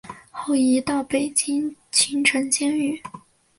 后移到北京秦城监狱。